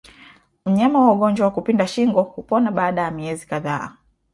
Mnyama wa ugonjwa wa kupinda shingo hupona baada ya miezi kadhaa